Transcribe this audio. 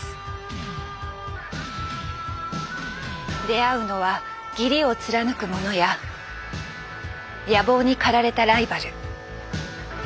出会うのは義理を貫く者や野望に駆られたライバル。